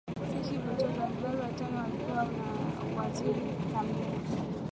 Si hivyo tu Wazanzibari watano walipewa uwaziri kamili